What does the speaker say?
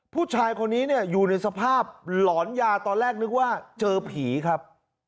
ผู้ชายคนนี้เนี่ยอยู่ในสภาพหลอนยาตอนแรกนึกว่าเจอผีครับ